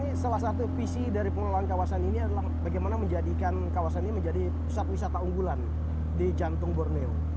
salah satu visi dari pengelolaan kawasan ini adalah bagaimana menjadikan kawasan ini menjadi pusat wisata unggulan di jantung borneo